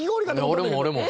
俺も俺も。